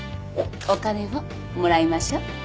お金をもらいましょう。